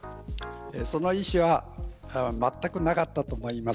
その意思はまったくなかったと思います。